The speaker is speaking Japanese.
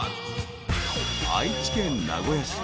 ［愛知県名古屋市。